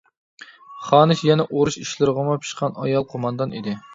خانىش يەنە ئۇرۇش ئىشلىرىغىمۇ پىشقان ئايال قوماندان ئىدى.